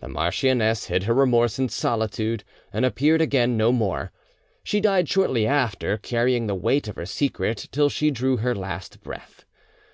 The marchioness hid her remorse in solitude, and appeared again no more. She died shortly after, carrying the weight of her secret till she drew her last breath.